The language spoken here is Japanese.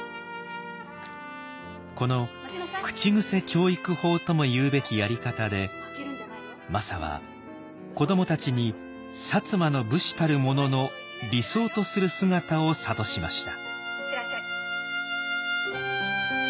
この口癖教育法とも言うべきやり方でマサは子どもたちに摩の武士たる者の理想とする姿を諭しました。